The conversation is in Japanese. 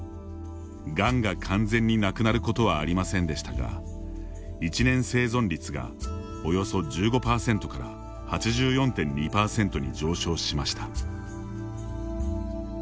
がんが完全になくなることはありませんでしたが１年生存率が、およそ１５％から８４．２％に上昇しました。